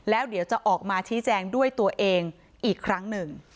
แล้วเดี๋ยวจะออกมาชี้แจงด้วยตัวเองอีกครั้งหนึ่ง